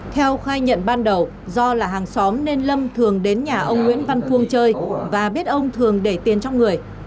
theo khai nhận ban đầu do là hàng xóm nên lâm thường đến nhà ông nguyễn văn phuông chơi và biết ông thường để tiền trong người